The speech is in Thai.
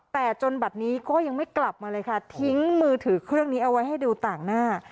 แต่จนบัดนี้ก็ยังไม่กลับมาเลยค่ะทิ้งมือถือเครื่องนี้เอาไว้ให้ดูต่างหน้า